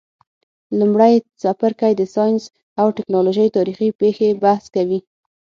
لمړی څپرکی د ساینس او تکنالوژۍ تاریخي پیښي بحث کوي.